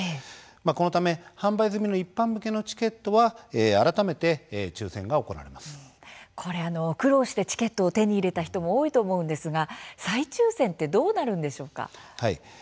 このため販売済みの一般向けのチケットは苦労してチケットを手に入れた人も多いと思うんですが再抽せんってどうなるんでしょうか。